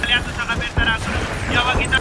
د چا مال مه غصبوئ.